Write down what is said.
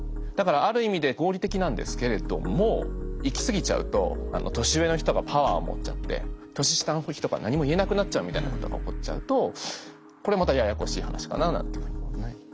だからある意味で合理的なんですけれども行き過ぎちゃうと年上の人がパワーを持っちゃって年下の人が何も言えなくなっちゃうみたいなことが起こっちゃうとこれまたややこしい話かななんていうふうに。